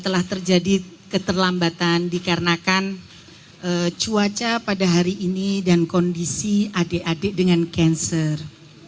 telah terjadi keterlambatan dikarenakan cuaca pada hari ini dan kondisi adik adik dengan cancer